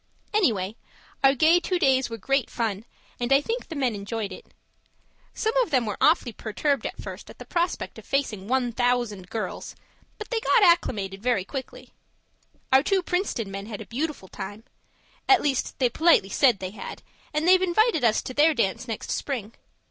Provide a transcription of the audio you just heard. Anyway, our gay two days were great fun, and I think the men enjoyed it. Some of them were awfully perturbed at first at the prospect of facing one thousand girls; but they got acclimated very quickly. Our two Princeton men had a beautiful time at least they politely said they had, and they've invited us to their dance next spring.